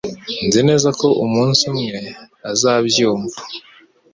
Nzi neza ko umunsi umwe uzabyumva.